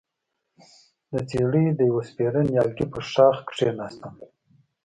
د څېړۍ د يوه سپېره نيالګي پر ښاخ کېناستم،